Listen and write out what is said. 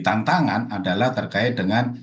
tantangan adalah terkait dengan